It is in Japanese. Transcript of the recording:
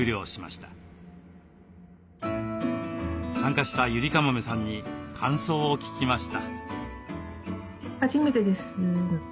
参加したゆりかもめさんに感想を聞きました。